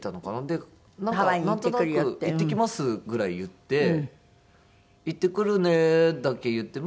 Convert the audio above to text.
でなんかなんとなく「行ってきます」ぐらい言って「行ってくるね」だけ言って